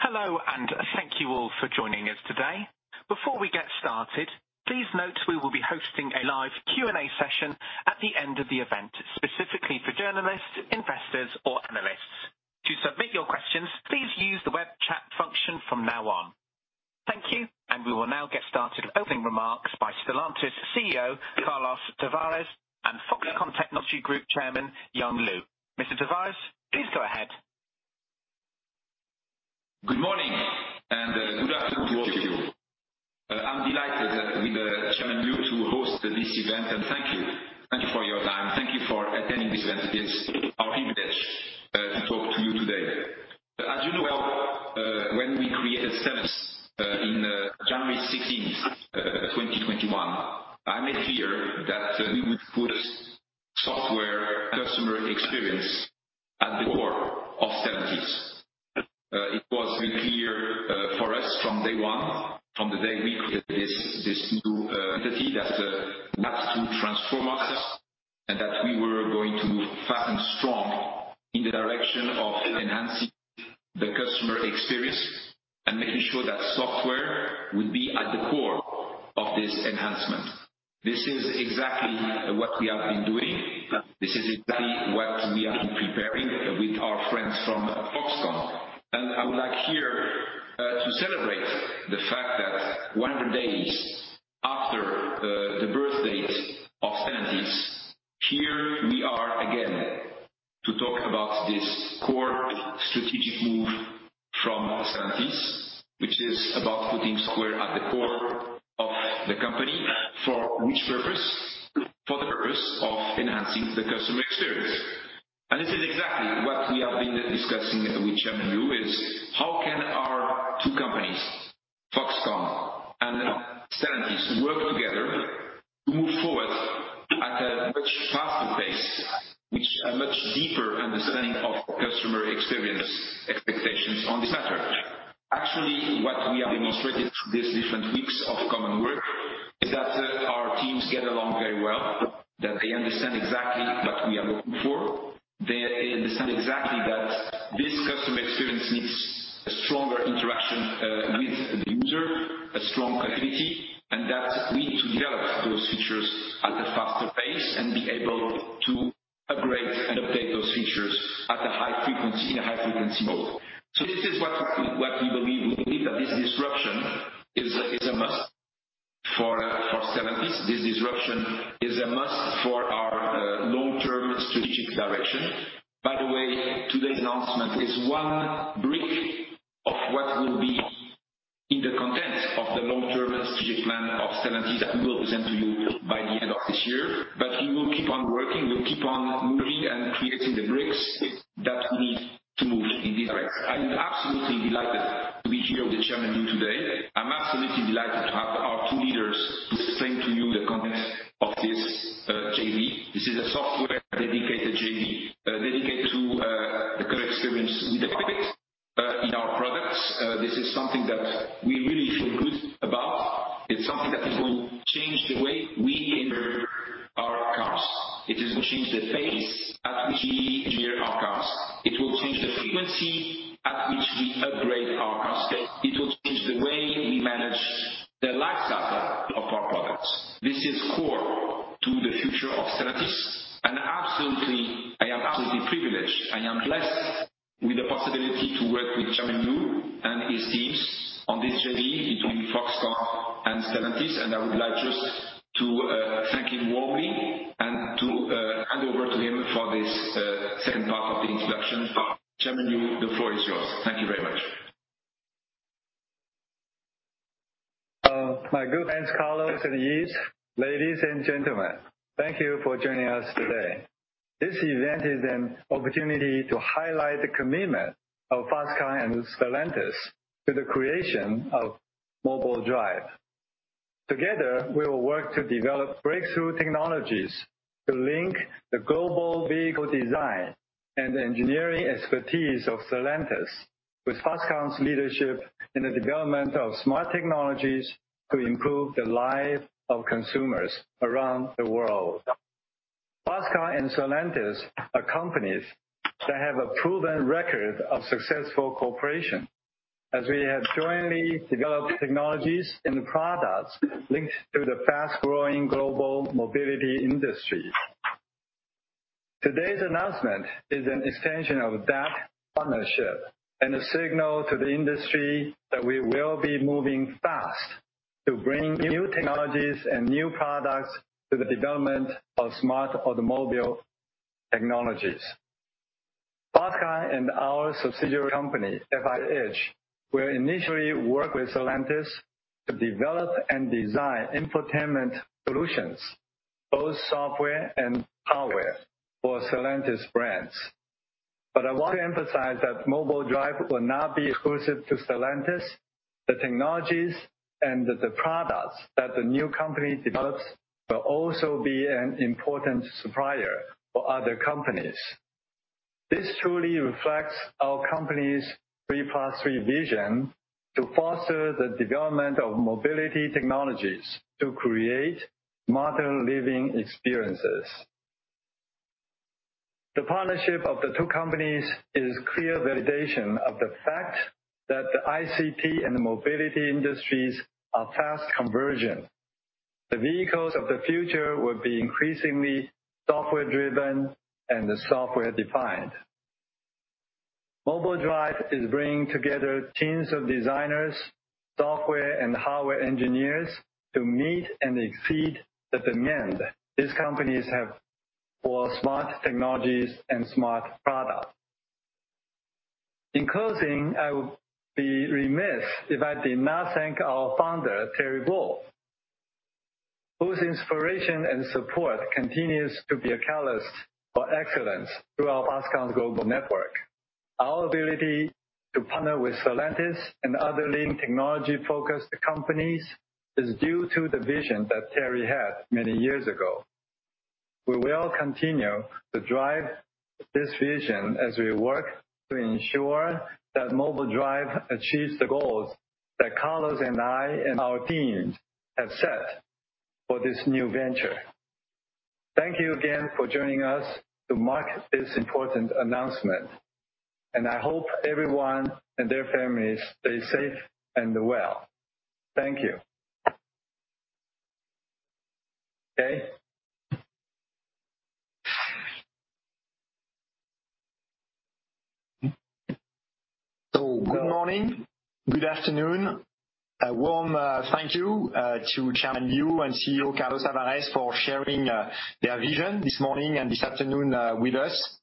Hello, thank you all for joining us today. Before we get started, please note we will be hosting a live Q&A session at the end of the event, specifically for journalists, investors or analysts. To submit your questions, please use the web chat function from now on. Thank you. We will now get started with opening remarks by Stellantis CEO, Carlos Tavares, and Foxconn Technology Group Chairman, Young Liu. Mr. Tavares, please go ahead. Good morning and good afternoon to all of you. I am delighted with Chairman Liu to host this event. Thank you. Thank you for your time. Thank you for attending this event. It is our privilege to talk to you today. As you know well, when we created Stellantis in January 16th, 2021, I made clear that we would put software customer experience at the core of Stellantis. It was very clear for us from day one, from the day we created this new entity, that we have to transform us and that we were going to fasten strong in the direction of enhancing the customer experience and making sure that software would be at the core of this enhancement. This is exactly what we have been doing. This is exactly what we have been preparing with our friends from Foxconn. I would like here to celebrate the fact that 100 days after the birth date of Stellantis, here we are again to talk about this core strategic move from Stellantis, which is about putting software at the core of the company. For which purpose? For the purpose of enhancing the customer experience. This is exactly what we have been discussing with Chairman Liu, is how can our two companies, Foxconn and Stellantis, work together to move forward at a much faster pace, with a much deeper understanding of customer experience expectations on the software. Actually, what we have demonstrated through these different weeks of common work is that our teams get along very well, that they understand exactly what we are looking for. They understand exactly that this customer experience needs a stronger interaction with the user, a strong connectivity, and that we need to develop those features at a faster pace and be able to upgrade and update those features in a high-frequency mode. This is what we believe. We believe that this disruption is a must for Stellantis. This disruption is a must for our long-term strategic direction. By the way, today's announcement is one brick of what will be in the content of the long-term strategic plan of Stellantis that we will present to you by the end of this year. We will keep on working. We will keep on moving and creating the bricks that we need to move in this direction. I am absolutely delighted to be here with Chairman Liu today. I'm absolutely delighted to have our two leaders to explain to you the content of this JV. This is a software-dedicated JV, dedicated to the core experience we depict in our products. This is something that we really feel good about. It's something that is going to change the way we engineer our cars. It is going to change the pace at which we engineer our cars. It will change the frequency at which we upgrade our cars. It will change the way we manage the life cycle of our products. This is core to the future of Stellantis. I am absolutely privileged. I am blessed with the possibility to work with Chairman Liu and his teams on this JV between Foxconn and Stellantis. I would like just to thank him warmly and to hand over to him for this second part of the introduction. Chairman Liu, the floor is yours. Thank you very much. My good friends, Carlos and Yves. Ladies and gentlemen, thank you for joining us today. This event is an opportunity to highlight the commitment of Foxconn and Stellantis to the creation of Mobile Drive. Together, we will work to develop breakthrough technologies to link the global vehicle design and the engineering expertise of Stellantis with Foxconn's leadership in the development of smart technologies to improve the life of consumers around the world. Foxconn and Stellantis are companies that have a proven record of successful cooperation as we have jointly developed technologies and products linked to the fast-growing global mobility industry. Today's announcement is an extension of that partnership and a signal to the industry that we will be moving fast to bring new technologies and new products to the development of smart automobile technologies. Foxconn and our subsidiary company, FIH, will initially work with Stellantis to develop and design infotainment solutions, both software and hardware, for Stellantis brands. I want to emphasize that Mobile Drive will not be exclusive to Stellantis. The technologies and the products that the new company develops will also be an important supplier for other companies. This truly reflects our company's 3+3 vision to foster the development of mobility technologies to create modern living experiences. The partnership of the two companies is clear validation of the fact that the ICT and the mobility industries are fast converging. The vehicles of the future will be increasingly software-driven and software-defined. Mobile Drive is bringing together teams of designers, software and hardware engineers to meet and exceed the demand these companies have for smart technologies and smart products. In closing, I would be remiss if I did not thank our founder, Terry Gou, whose inspiration and support continues to be a catalyst for excellence throughout Foxconn's global network. Our ability to partner with Stellantis and other leading technology-focused companies is due to the vision that Terry had many years ago. We will continue to drive this vision as we work to ensure that Mobile Drive achieves the goals that Carlos and I and our teams have set for this new venture. Thank you again for joining us to mark this important announcement, and I hope everyone and their families stay safe and well. Thank you. Okay. Good morning, good afternoon. A warm thank you to Chairman Liu and CEO Carlos Tavares for sharing their vision this morning and this afternoon with us.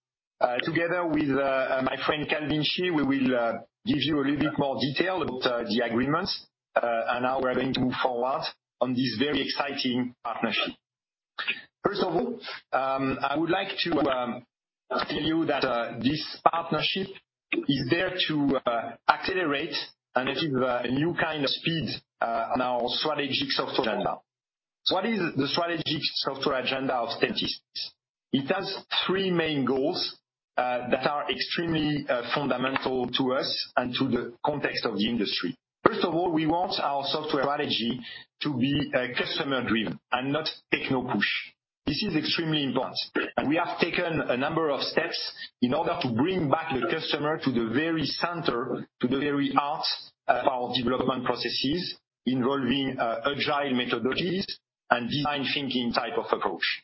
Together with my friend Calvin Chih, we will give you a little bit more detail about the agreements, and how we are going to move forward on this very exciting partnership. First of all, I would like to tell you that this partnership is there to accelerate and give a new kind of speed on our strategic software agenda. What is the strategic software agenda of Stellantis? It has three main goals that are extremely fundamental to us and to the context of the industry. First of all, we want our software strategy to be customer-driven and not techno-push. This is extremely important, we have taken a number of steps in order to bring back the customer to the very center, to the very heart of our development processes, involving agile methodologies and design thinking type of approach.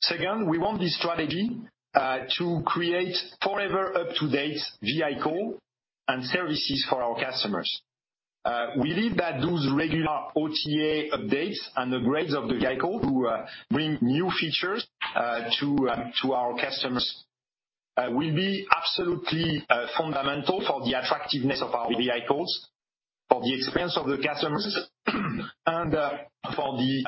Second, we want this strategy to create forever up-to-date vehicle and services for our customers. We believe that those regular OTA updates and upgrades of the vehicle to bring new features to our customers will be absolutely fundamental for the attractiveness of our vehicles, for the experience of the customers, and for the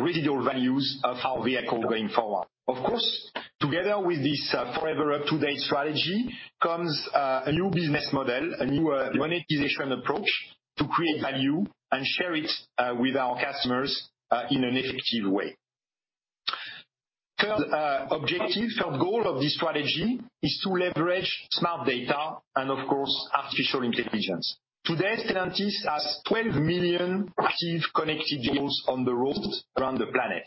residual values of our vehicle going forward. Of course, together with this forever up-to-date strategy comes a new business model, a new monetization approach to create value and share it with our customers in an effective way. Third objective, third goal of this strategy is to leverage smart data and of course, artificial intelligence. Today, Stellantis has 12 million active connected vehicles on the road around the planet.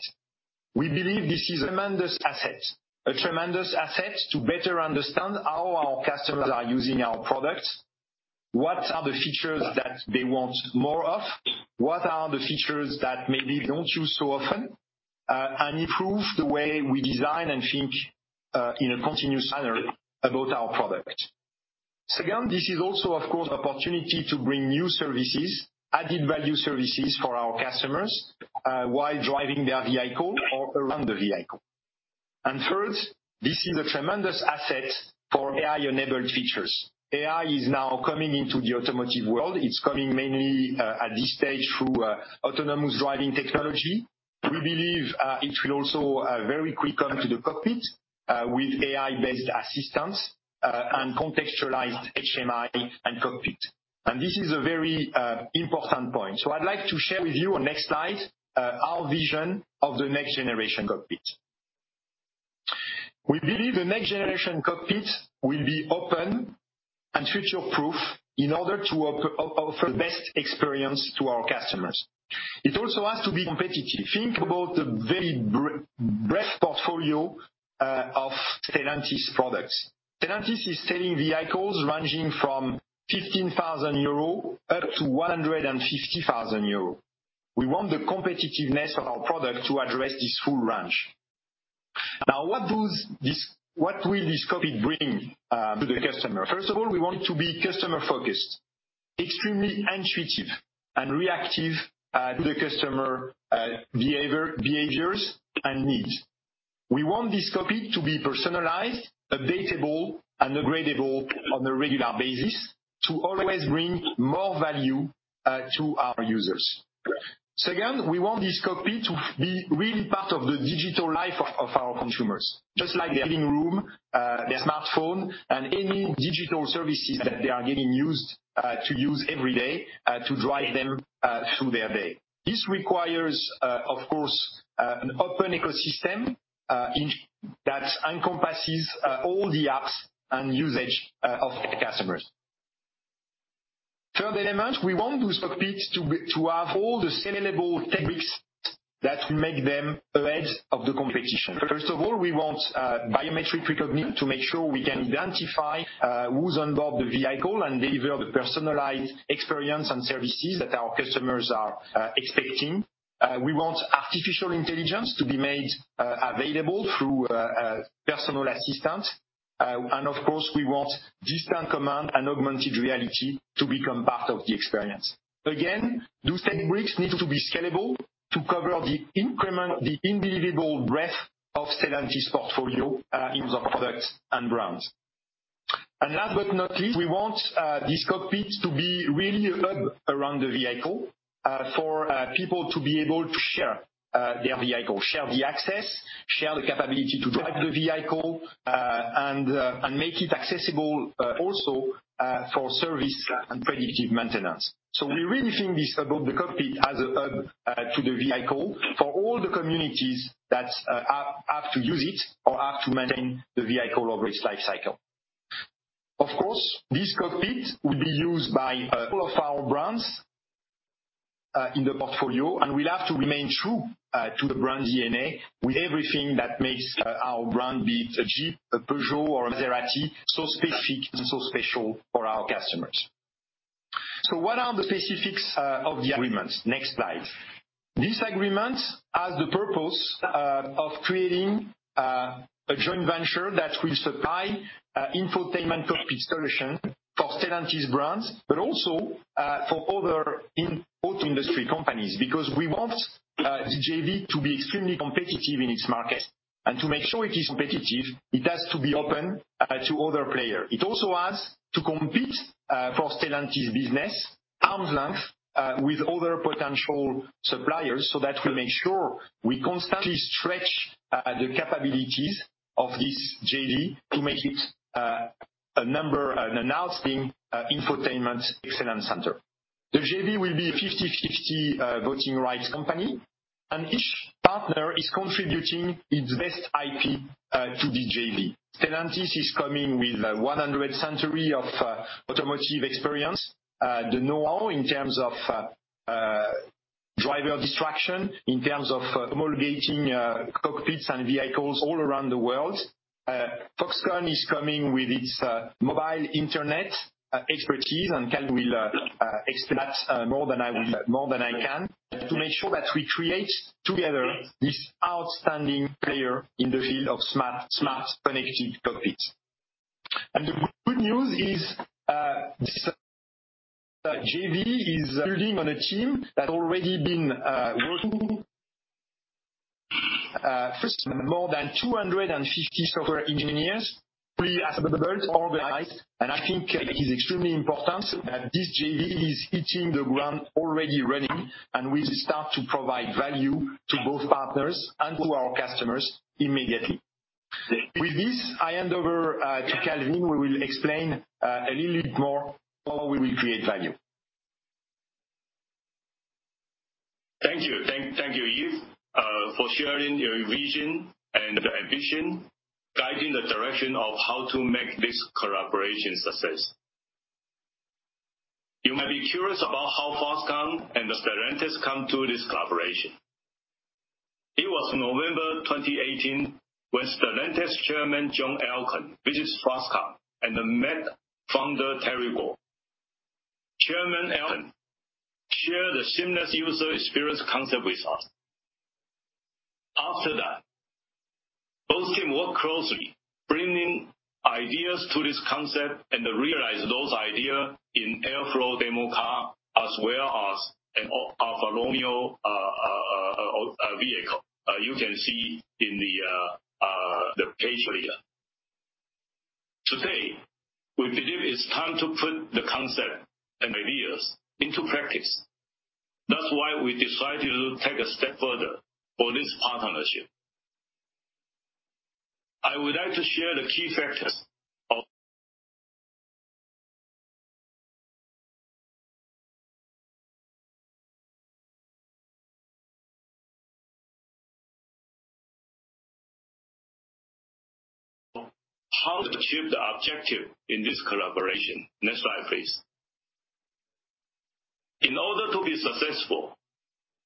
We believe this is a tremendous asset. A tremendous asset to better understand how our customers are using our products, what are the features that they want more of, what are the features that maybe they don't use so often, and improve the way we design and think, in a continuous manner about our product. Second, this is also of course, an opportunity to bring new services, added-value services for our customers, while driving their vehicle or around the vehicle. Third, this is a tremendous asset for AI-enabled features. AI is now coming into the automotive world. It's coming mainly at this stage through autonomous driving technology. We believe it will also very quick come to the cockpit, with AI-based assistance, and contextualized HMI and cockpit. This is a very important point. I'd like to share with you on next slide, our vision of the next generation cockpit. We believe the next generation cockpit will be open and future-proof in order to offer the best experience to our customers. It also has to be competitive. Think about the very breadth portfolio of Stellantis products. Stellantis is selling vehicles ranging from 15,000 euro up to 150,000 euro. We want the competitiveness of our product to address this full range. Now, what will this cockpit bring to the customer? First of all, we want it to be customer-focused, extremely intuitive and reactive to the customer behaviors and needs. We want this cockpit to be personalized, updatable, and upgradeable on a regular basis to always bring more value to our users. Second, we want this cockpit to be really part of the digital life of our consumers. Just like their living room, their smartphone, and any digital services that they are getting used to use every day to drive them through their day. This requires, of course, an open ecosystem that encompasses all the apps and usage of the customers. Third element, we want those cockpits to have all the scalable techniques that make them ahead of the competition. First of all, we want biometric recognition to make sure we can identify who's onboard the vehicle and deliver the personalized experience and services that our customers are expecting. We want artificial intelligence to be made available through a personal assistant. Of course, we want distant command and augmented reality to become part of the experience. Again, those techniques need to be scalable to cover the increment, the individual breadth of Stellantis portfolio in the products and brands. Last but not least, we want these cockpits to be really a hub around the vehicle, for people to be able to share their vehicle, share the access, share the capability to drive the vehicle, and make it accessible also for service and predictive maintenance. We really think this about the cockpit as a hub to the vehicle for all the communities that have to use it or have to maintain the vehicle over its life cycle. Of course, this cockpit will be used by all of our brands in the portfolio, and will have to remain true to the brand DNA with everything that makes our brand, be it a Jeep, a Peugeot, or a Maserati, so specific and so special for our customers. What are the specifics of the agreement? Next slide. This agreement has the purpose of creating a joint venture that will supply infotainment cockpit solution for Stellantis brands, but also for other auto industry companies. We want the JV to be extremely competitive in its market. To make sure it is competitive, it has to be open to other players. It also has to compete for Stellantis business arm's length, with other potential suppliers. That will make sure we constantly stretch the capabilities of this JV to make it a number, an outstanding infotainment excellence center. The JV will be a 50/50 voting rights company, and each partner is contributing its best IP to the JV. Stellantis is coming with a century of automotive experience, the knowhow in terms of driver distraction, in terms of homologating cockpits and vehicles all around the world. Foxconn is coming with its mobile internet expertise. Calvin will explain that more than I can, to make sure that we create together this outstanding player in the field of smart, connected cockpits. The good news is, this JV is building on a team that already been working. First, more than 250 software engineers, pre-assembled, organized, and I think it is extremely important that this JV is hitting the ground already running, and will start to provide value to both partners and to our customers immediately. With this, I hand over to Calvin, who will explain a little bit more how we will create value. Thank you. Thank you, Yves, for sharing your vision and ambition, guiding the direction of how to make this collaboration a success. You may be curious about how Foxconn and Stellantis come to this collaboration. It was November 2018 when Stellantis Chairman, John Elkann, visits Foxconn and met Founder Terry Gou. Chairman Elkann shared the seamless user experience concept with us. After that, both team work closely, bringing ideas to this concept and realize those idea in Airflow demo car as well as an autonomous vehicle. You can see in the page here. Today, we believe it's time to put the concept and ideas into practice. That's why we decided to take a step further for this partnership. I would like to share the key factors of how to achieve the objective in this collaboration. Next slide, please. In order to be successful,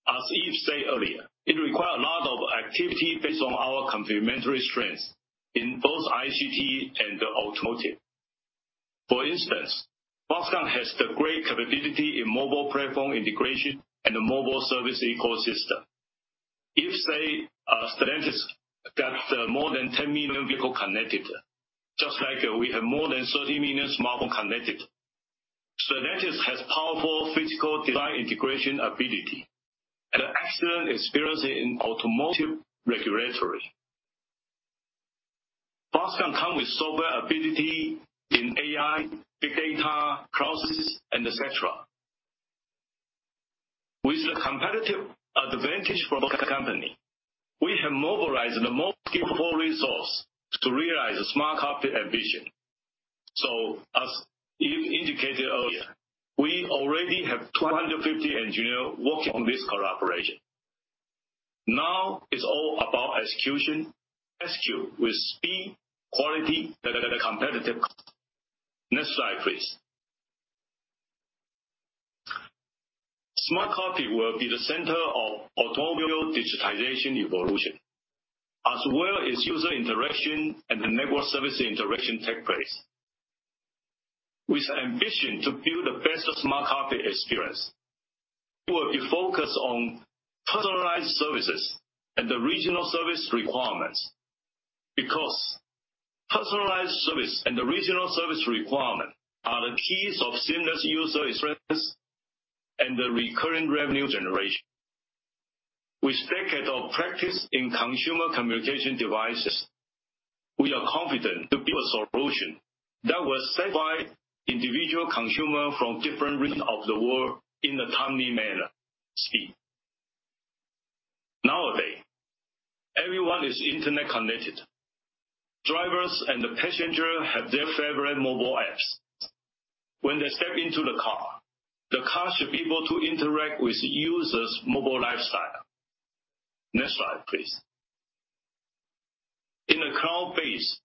as Yves said earlier, it require a lot of activity based on our complementary strengths in both ICT and the automotive. For instance, Foxconn has the great capability in mobile platform integration and the mobile service ecosystem. Yves say Stellantis got more than 10 million vehicle connected, just like we have more than 30 million smartphone connected. Stellantis has powerful physical design integration ability and excellent experience in automotive regulatory. Foxconn come with software ability in AI, big data, cloud systems, et cetera. With the competitive advantage from both company, we have mobilized the most capable resource to realize the smart cockpit ambition. As Yves indicated earlier, we already have 250 engineer working on this collaboration. Now it's all about execution. Execute with speed, quality, and competitive cost. Next slide, please. Smart cockpit will be the center of automobile digitization evolution, as well as user interaction and the network service interaction take place. With ambition to build the best smart cockpit experience, we will be focused on personalized services and the regional service requirements. Because personalized service and the regional service requirement are the keys of seamless user experience and the recurring revenue generation. We stake at our practice in consumer communication devices. We are confident to build a solution that was set by individual consumer from different regions of the world in a timely manner. Speed. Nowadays, everyone is internet connected. Drivers and the passenger have their favorite mobile apps. When they step into the car, the car should be able to interact with user's mobile lifestyle. Next slide, please. In a cloud-based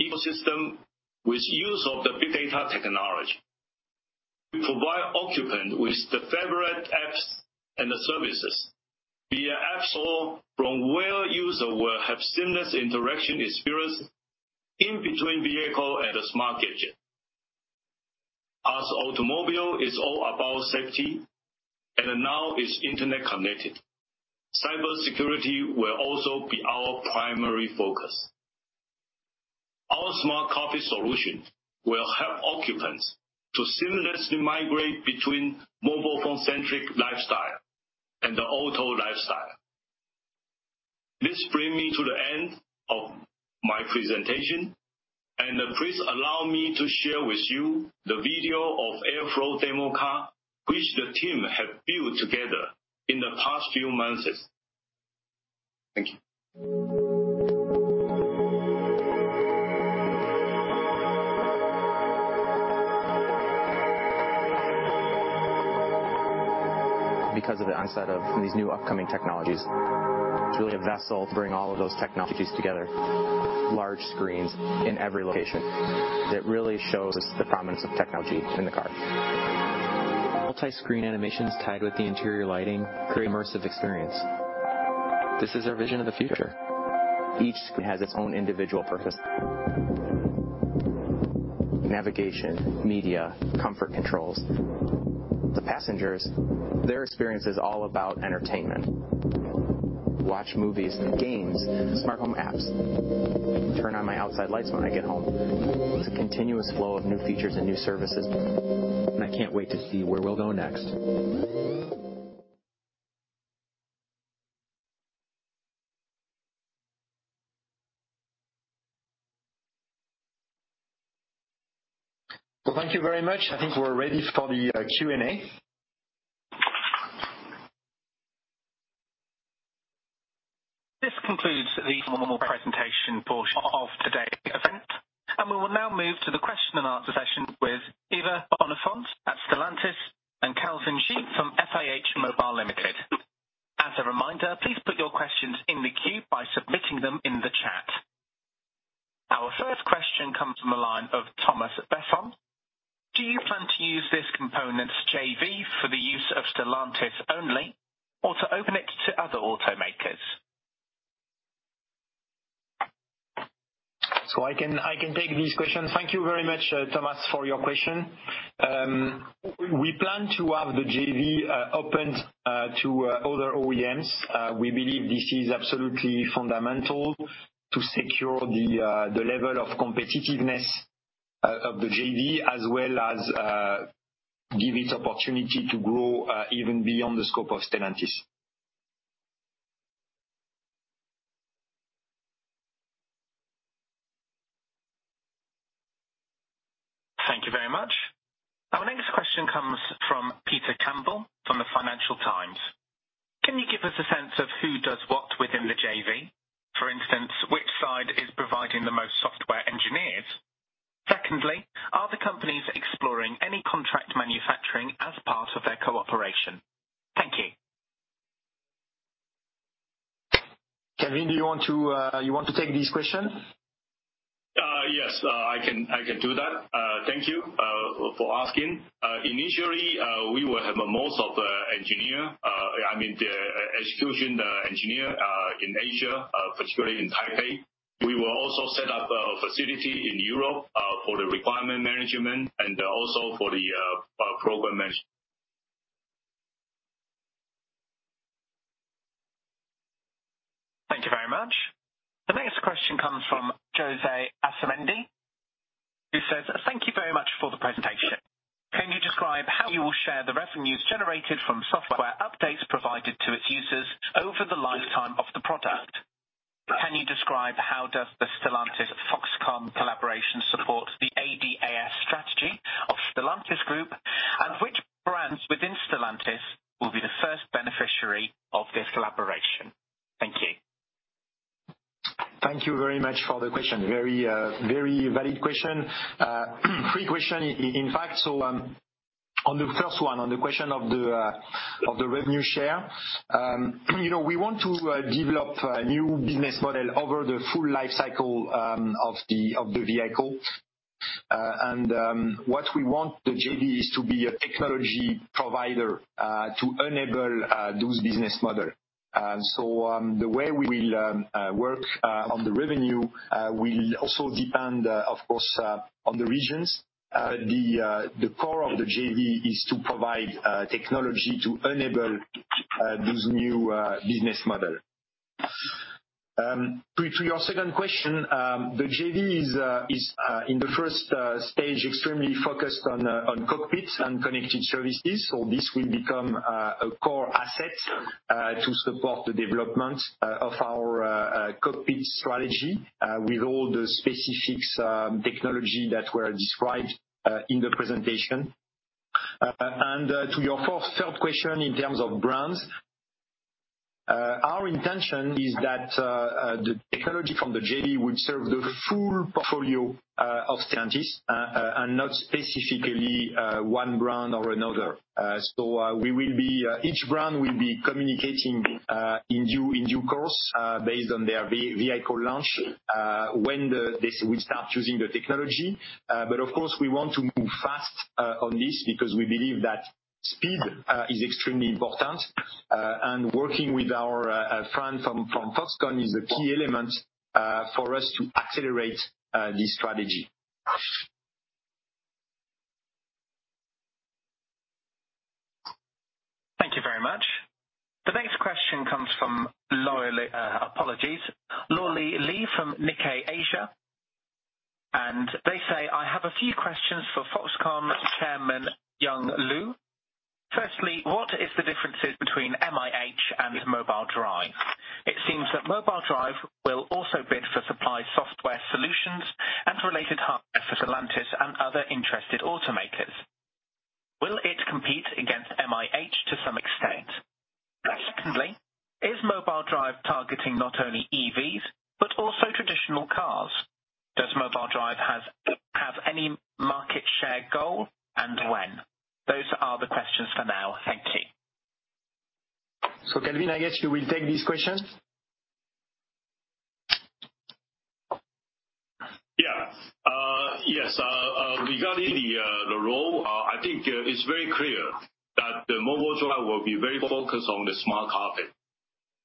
ecosystem with use of the big data technology, we provide occupant with the favorite apps and the services via apps all from where user will have seamless interaction experience in between vehicle and a smart gadget. As automobile is all about safety and now is internet-connected, cybersecurity will also be our primary focus. Our smart cockpit solution will help occupants to seamlessly migrate between mobile phone-centric lifestyle and the auto lifestyle. This bring me to the end of my presentation, and please allow me to share with you the video of Airflow demo car, which the team have built together in the past few months. Thank you. Of the onset of these new upcoming technologies, it's really a vessel to bring all of those technologies together. Large screens in every location. It really shows us the prominence of technology in the car. Multi-screen animations tied with the interior lighting create immersive experience. This is our vision of the future. Each screen has its own individual purpose. Navigation, media, comfort controls. The passengers, their experience is all about entertainment. Watch movies, games, smart home apps. Turn on my outside lights when I get home. It's a continuous flow of new features and new services, and I can't wait to see where we'll go next. Thank you very much. I think we're ready for the Q&A. This concludes the formal presentation portion of today event. We will now move to the question and answer session with Yves at Stellantis and Calvin Chih from FIH Mobile Limited. As a reminder, please put your questions in the queue by submitting them in the chat. Our first question comes from the line of Thomas Besson. Do you plan to use this components JV for the use of Stellantis only, or to open it to other automakers? I can take this question. Thank you very much, Thomas, for your question. We plan to have the JV opened to other OEMs. We believe this is absolutely fundamental to secure the level of competitiveness of the JV as well as, give it opportunity to grow, even beyond the scope of Stellantis. Thank you very much. Our next question comes from Peter Campbell from the Financial Times. Can you give us a sense of who does what within the JV? For instance, which side is providing the most software engineers? Secondly, are the companies exploring any contract manufacturing as part of their cooperation? Thank you. Calvin, do you want to take this question? Yes. I can do that. Thank you, for asking. Initially, we will have most of the engineer, I mean, the execution engineer, in Asia, particularly in Taipei. We will also set up a facility in Europe, for the requirement management and also for the program management. Thank you very much. The next question comes from Jose Asumendi, who says, thank you very much for the presentation. Can you describe how you will share the revenues generated from software updates provided to its users over the lifetime of the product? Can you describe how does the Stellantis Foxconn collaboration support the ADAS strategy of Stellantis Group, and which brands within Stellantis will be the first beneficiary of this collaboration? Thank you very much for the question. Very valid question. Three questions, in fact. On the first one, on the question of the revenue share. We want to develop a new business model over the full life cycle of the vehicle. What we want the JV is to be a technology provider, to enable those business models. The way we will work on the revenue, will also depend, of course, on the regions. The core of the JV is to provide technology to enable those new business models. To your second question, the JV is in the first stage extremely focused on cockpits and connected services. This will become a core asset to support the development of our cockpit strategy, with all the specific technologies that were described in the presentation. To your third question in terms of brands, our intention is that the technology from the JV would serve the full portfolio of Stellantis, and not specifically one brand or another. Each brand will be communicating, in due course, based on their vehicle launch, when they will start using the technology. Of course, we want to move fast on this because we believe that speed is extremely important. Working with our friend from Foxconn is a key element for us to accelerate this strategy. Thank you very much. The next question comes from Lorelei Lee from Nikkei Asia. They say, "I have a few questions for Foxconn's Chairman Young Liu. Firstly, what is the difference between MIH and Mobile Drive? It seems that Mobile Drive will also bid for supply software solutions and related hardware for Stellantis and other interested automakers. Will it compete against MIH to some extent? Secondly, is Mobile Drive targeting not only EVs, but also traditional cars? Does Mobile Drive have any market share goal, and when?" Those are the questions for now. Thank you. Calvin, I guess you will take these questions. Yes. Regarding the role, I think it's very clear that Mobile Drive will be very focused on the smart cockpit.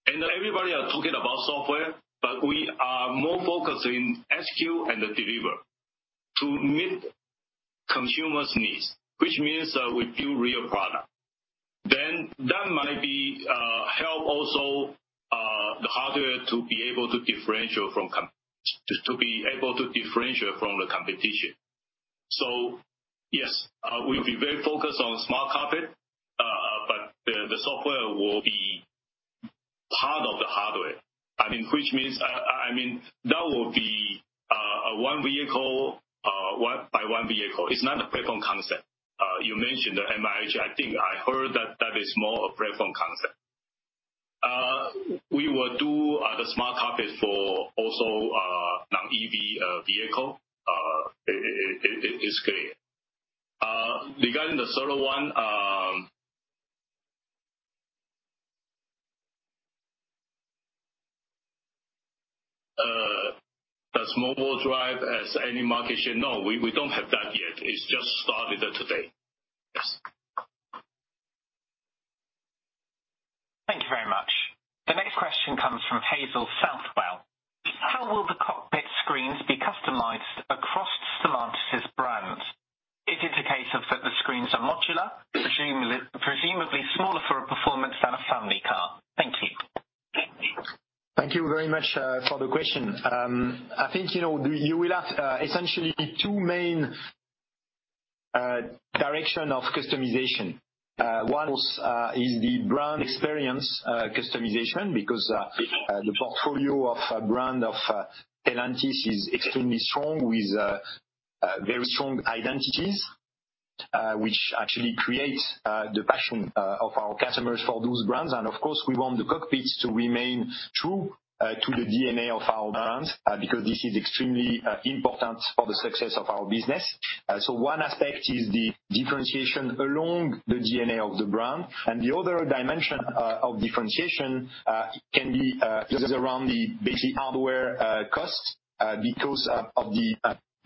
Everybody are talking about software, but we are more focused in execute and deliver to meet consumers' needs, which means that we do real product. That might help also the hardware to be able to differentiate from the competition. Yes, we'll be very focused on smart cockpit, but the software will be part of the hardware. That will be one vehicle, by one vehicle. It's not a platform concept. You mentioned the MIH. I think I heard that that is more a platform concept. We will do the smart cockpit for also non-EV vehicle. It is clear. Regarding the third one, does Mobile Drive has any market share? No, we don't have that yet. It's just started today. Yes. Thank you very much. The next question comes from Hazel Southwell. How will the cockpit screens be customized across Stellantis's brands? Is it a case of that the screens are modular, presumably smaller for a performance than a family car? Thank you. Thank you very much for the question. I think, you will have essentially two main direction of customization. One is the brand experience customization, because the portfolio of brand of Stellantis is extremely strong, with very strong identities, which actually creates the passion of our customers for those brands. Of course, we want the cockpits to remain true to the DNA of our brands, because this is extremely important for the success of our business. The other dimension of differentiation, can be just around the basic hardware costs, because of the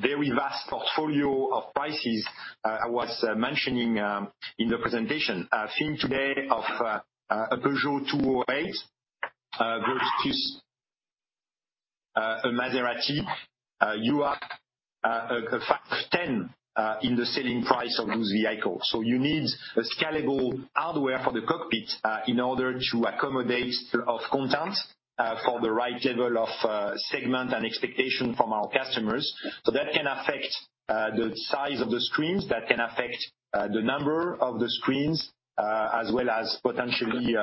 very vast portfolio of prices I was mentioning in the presentation. Think today of a Peugeot 208 versus a Maserati. You have a factor of 10 in the selling price of those vehicles. You need a scalable hardware for the cockpit, in order to accommodate a lot of content, for the right level of segment and expectation from our customers. That can affect the size of the screens, that can affect the number of the screens, as well as potentially,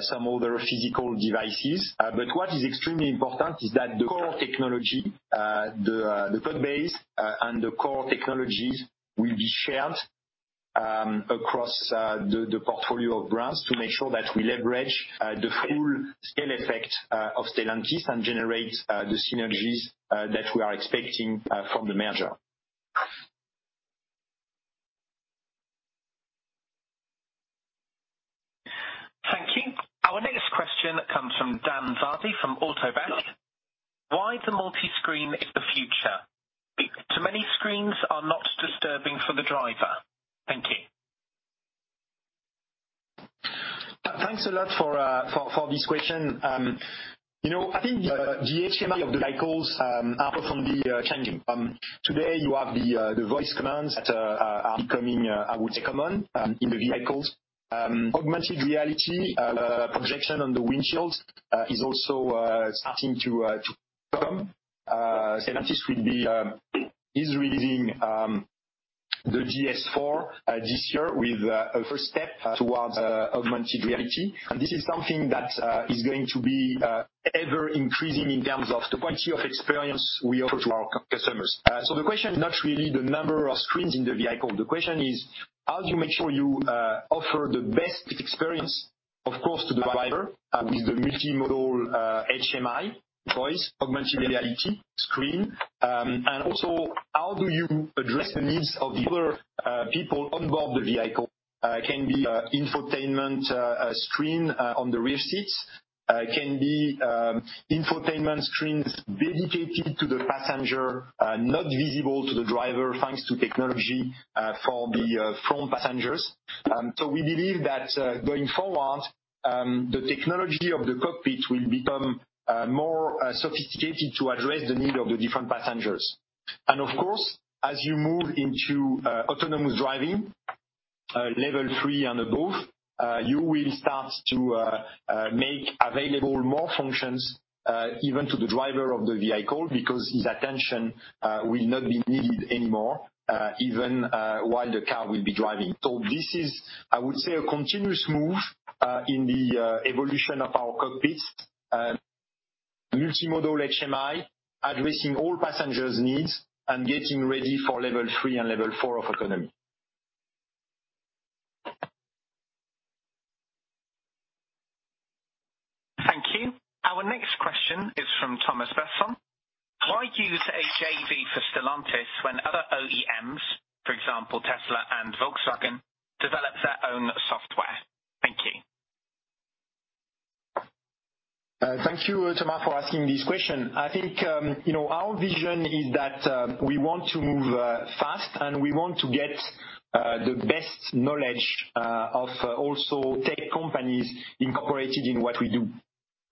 some other physical devices. What is extremely important is that the core technology, the codebase and the core technologies will be shared across the portfolio of brands to make sure that we leverage the full scale effect of Stellantis and generate the synergies that we are expecting from the merger. Thank you. Our next question comes from Dan Ives from Autoblog. Why the multiscreen is the future? Too many screens are not disturbing for the driver. Thank you. Thanks a lot for this question. I think the HMI of the vehicles are profoundly changing. Today, you have the voice commands that are becoming, I would say, common in the vehicles. Augmented reality, projection on the windshields is also starting to come. Stellantis is releasing the DS 4 this year with a first step towards augmented reality. This is something that is going to be ever increasing in terms of the quality of experience we offer to our customers. The question is not really the number of screens in the vehicle. The question is how do you make sure you offer the best experience, of course, to the driver, with the multimodal HMI, voice, augmented reality, screen. Also, how do you address the needs of the other people on board the vehicle? It can be infotainment screen on the rear seats. It can be infotainment screens dedicated to the passenger, not visible to the driver, thanks to technology, for the front passengers. We believe that going forward, the technology of the cockpit will become more sophisticated to address the need of the different passengers. Of course, as you move into autonomous driving, level 3 and above, you will start to make available more functions, even to the driver of the vehicle, because his attention will not be needed anymore, even while the car will be driving. This is, I would say, a continuous move, in the evolution of our cockpits, multimodal HMI, addressing all passengers' needs and getting ready for level 3 and level 4 of autonomy. Thank you. Our next question is from Thomas Besson. Why use a JV for Stellantis when other OEMs, for example, Tesla and Volkswagen, develop their own software? Thank you. Thank you, Thomas, for asking this question. I think, our vision is that we want to move fast, and we want to get the best knowledge of also tech companies incorporated in what we do.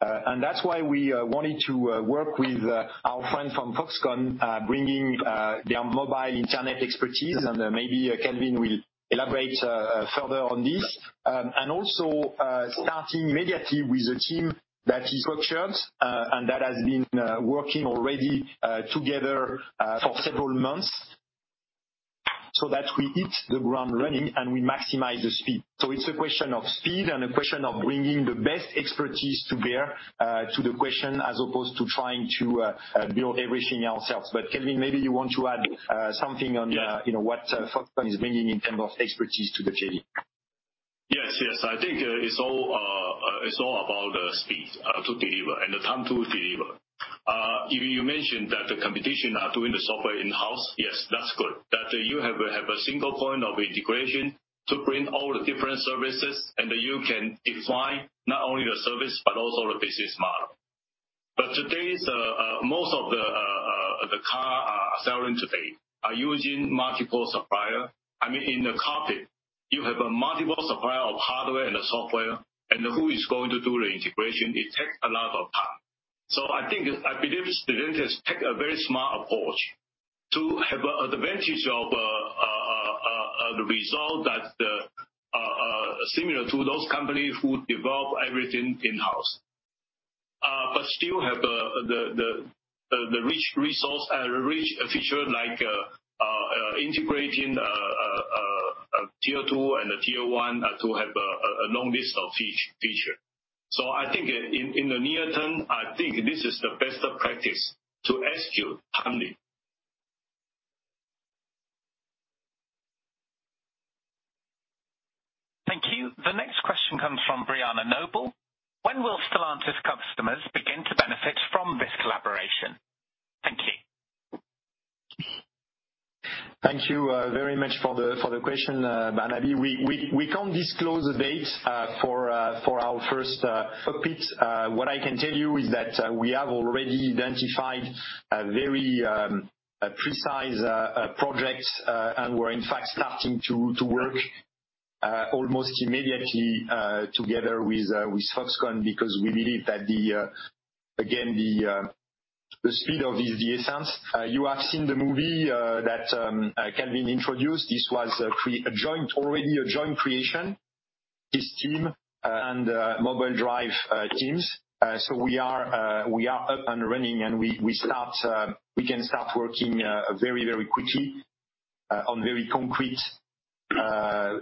That's why we wanted to work with our friend from Foxconn, bringing their mobile internet expertise, maybe Calvin will elaborate further on this. Also, starting immediately with a team that he structures, that has been working already together for several months, so that we hit the ground running and we maximize the speed. It's a question of speed and a question of bringing the best expertise to bear to the question, as opposed to trying to build everything ourselves. Calvin, maybe you want to add something on- Yes what Foxconn is bringing in terms of expertise to the JV. Yes. I think it's all about the speed to deliver and the time to deliver. You mentioned that the competition are doing the software in-house. Yes, that's good that you have a single point of integration to bring all the different services, and you can define not only the service but also the business model. Today, most of the car selling today are using multiple supplier. In the cockpit, you have a multiple supplier of hardware and software. Who is going to do the integration? It takes a lot of time. I believe Stellantis take a very smart approach to have advantage of the result that similar to those companies who develop everything in-house. Still have the rich resource and rich feature like integrating tier 2 and tier 1 to have a long list of feature. I think in the near term, this is the best practice to execute timely. Thank you. The next question comes from Brianna Noble. When will Stellantis customers begin to benefit from this collaboration? Thank you. Thank you very much for the question, Brianna. We can't disclose the date for our first cockpit. What I can tell you is that we have already identified a very precise project, and we're in fact starting to work almost immediately, together with Foxconn, because we believe that, again, the speed of is the essence. You have seen the movie that Calvin introduced. This was already a joint creation. His team and Mobile Drive teams. We are up and running, and we can start working very quickly, on very concrete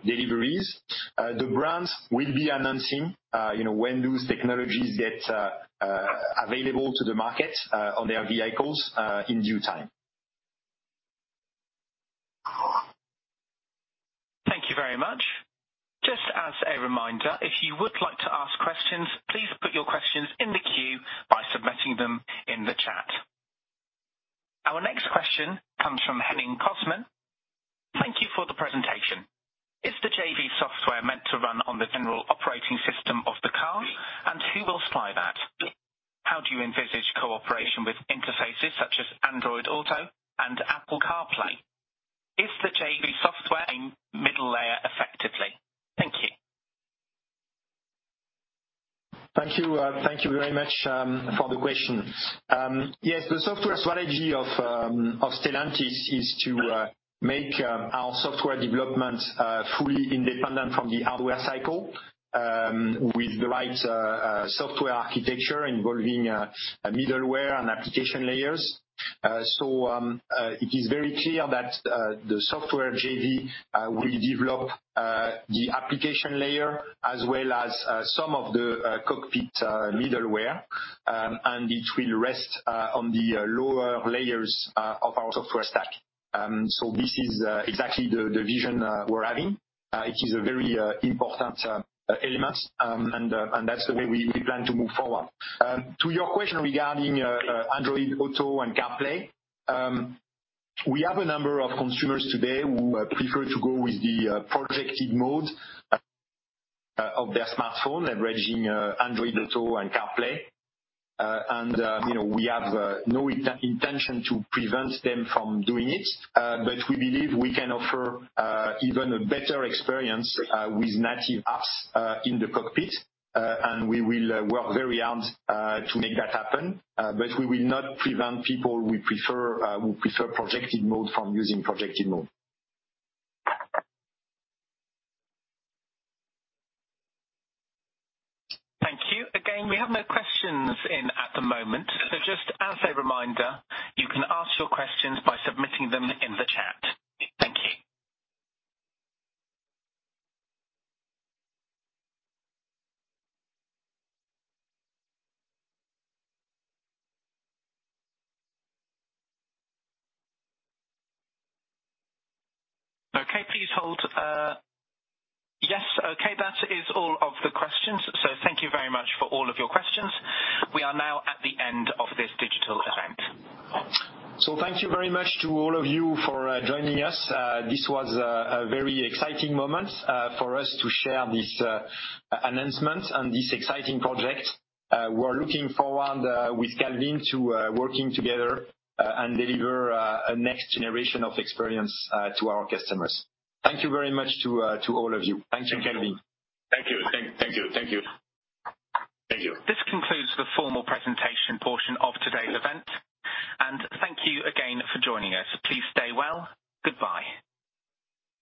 deliveries. The brands will be announcing when those technologies get available to the market, on their vehicles, in due time. Thank you very much. Just as a reminder, if you would like to ask questions, please put your questions in the queue by submitting them in the chat. Our next question comes from Henning Cosman. Thank you for the presentation. Is the JV software meant to run on the general operating system of the car, and who will supply that? How do you envisage cooperation with interfaces such as Android Auto and Apple CarPlay? Is the JV software a middle layer effectively? Thank you. Thank you very much for the question. Yes, the software strategy of Stellantis is to make our software development fully independent from the hardware cycle, with the right software architecture involving middleware and application layers. It is very clear that the software JV will develop the application layer, as well as some of the cockpit middleware, and it will rest on the lower layers of our software stack. This is exactly the vision we're having. It is a very important element, and that's the way we plan to move forward. To your question regarding Android Auto and CarPlay, we have a number of consumers today who prefer to go with the projected mode of their smartphone, leveraging Android Auto and CarPlay. We have no intention to prevent them from doing it. We believe we can offer even a better experience with native apps in the cockpit, and we will work very hard to make that happen. We will not prevent people who prefer projected mode from using projected mode. Thank you. Again, we have no questions in at the moment, just as a reminder, you can ask your questions by submitting them in the chat. Thank you. Okay. Please hold. Yes. Okay. That is all of the questions. Thank you very much for all of your questions. We are now at the end of this digital event. Thank you very much to all of you for joining us. This was a very exciting moment for us to share this announcement and this exciting project. We're looking forward, with Calvin, to working together and deliver a next generation of experience to our customers. Thank you very much to all of you. Thanks again, Calvin. Thank you. This concludes the formal presentation portion of today's event, and thank you again for joining us. Please stay well. Goodbye.